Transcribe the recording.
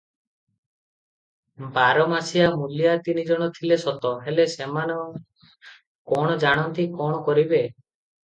ବାର ମାସିଆ ମୂଲିଆ ତିନି ଜଣ ଥିଲେ ସତ; ହେଲେ ସେମାନେ କଣ ଜାଣନ୍ତି, କଣ କରିବେ?